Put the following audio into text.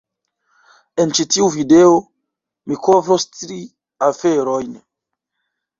En ĉi tiu video, mi kovros tri aferojn